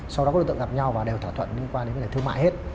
sau đó có đối tượng gặp nhau và đều thỏa thuận liên quan đến thương mại hết